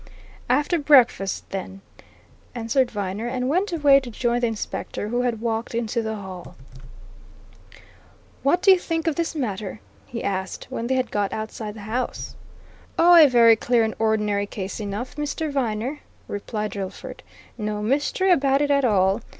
"After breakfast, then," answered Viner, and went away to join the Inspector, who had walked into the hall. "What do you think of this matter?" he asked, when they had got outside the house. "Oh, a very clear and ordinary case enough, Mr. Viner," replied Drillford. "No mystery about it at all.